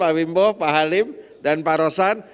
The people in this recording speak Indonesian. pak wimbo pak halim dan pak rosan